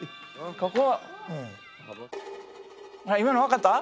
ここ！